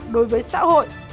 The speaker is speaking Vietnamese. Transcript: đối với xã hội